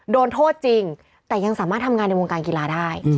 โดนโทษจริงแต่ยังสามารถทำงานในวงการกีฬาได้